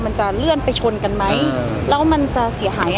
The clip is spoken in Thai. มันจะเลื่อนไปชนกันไหมแล้วมันจะเสียหาย